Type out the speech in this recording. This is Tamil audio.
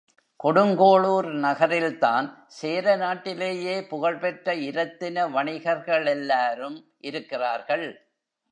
கொடுங்கோளூர் நகரில்தான் சேர நாட்டிலேயே புகழ்பெற்ற இரத்தின வணிகர்களெல்லாரும் இருக்கிறார்கள்.